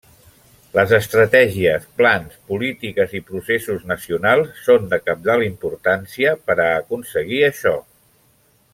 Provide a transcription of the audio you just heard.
Les estratègies, plans, polítiques i processos nacionals són de cabdal importància per a aconseguir això.